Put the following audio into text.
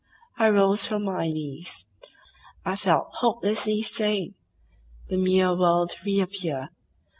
I rose from my knees. I felt hopelessly sane. The mere world reappeared.